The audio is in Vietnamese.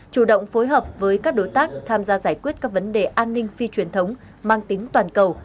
chủ động phối hợp với các đối tác tham gia giải quyết các vấn đề an ninh phi truyền thống mang tính toàn cầu